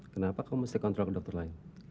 kenapa kamu mesti kontrol ke dokter lain